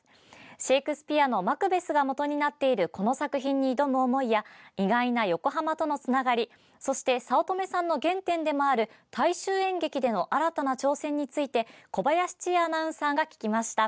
シェイクスピアの「マクベス」がもとになっているこの作品に挑む思いや意外な横浜とのつながりそして早乙女さんの原点でもある大衆演劇での新たな挑戦について小林千恵アナウンサーが聞きました。